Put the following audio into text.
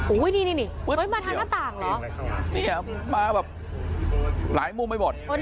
อุ้ยนี่มาทางหน้าต่างเหรอมาแบบหลายมุมไม่หมด